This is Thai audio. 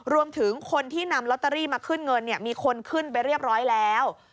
รวมถึงคนที่นำลอตเตอรี่มาขึ้นเงินมีคนขึ้นไปเรียบร้อยแล้ว